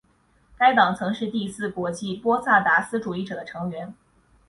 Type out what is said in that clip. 该党曾是第四国际波萨达斯主义者的成员。